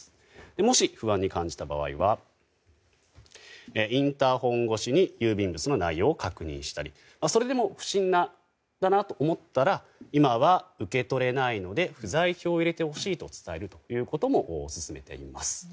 もし、不安に感じた場合はインターホン越しに郵便物の内容を確認したりそれでも不審だなと思ったら今は受け取れないので不在票を入れてほしいと伝えるということも勧めています。